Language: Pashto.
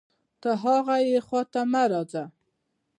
ته هاغې خوا ته مه ځه